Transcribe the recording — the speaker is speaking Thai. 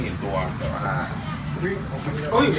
มึงจะไปเจอกันที่ไกลสิ